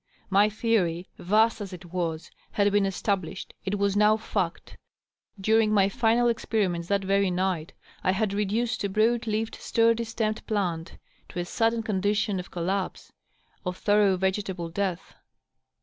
My theory, vast as it was, had been established. It was now fiict. During my final experiments that very night, I had reduced a broad leaved, sturdy stemmed plant to a sudden condition of collapse, of thorough v^etable death.